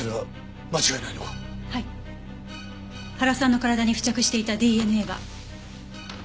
原さんの体に付着していたＤＮＡは。